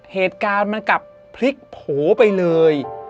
เหตุการณ์มันกลับพลิกโผล่ไปเลย